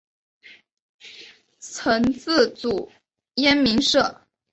曾自组燕鸣社。